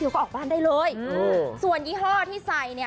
ก็ออกบ้านได้เลยอืมส่วนยี่ห้อที่ใส่เนี่ย